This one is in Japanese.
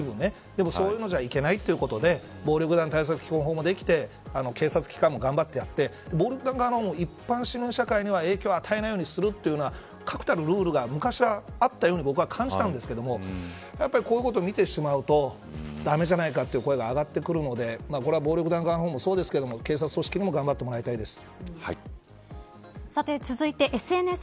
でも、そういうのじゃいけないということで暴力団対策基本法もできて警察機関も頑張っちゃって暴力団側も一般市民社会には影響を与えないというのは確たるルールが昔はあったように僕は感じたんですがやっぱりこういうことを見てしまうと駄目じゃないかという声が上がってくるのでこれは暴力団側もそうですが警察組織にも頑張ってもらいたいです。